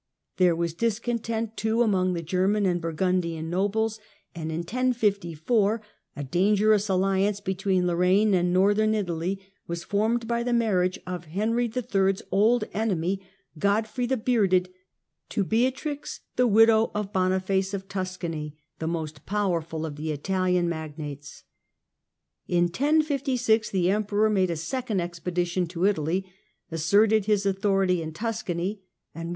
There was discontent, too, among the German and Burgundian nobles, and in 1054 a dangerous alliance between Lorraine and Northern Italy was formed by the marriage of Henry III.'s old enemy, Godfrey the Bearded, to Beatrix, the widow of Second Boniface of Tuscany, the most powerful of the Italian pedition magnates. In 1056 the Emperor made a second expedi of Henry^ tion to Italy, asserted his authority in Tuscany, and, with III.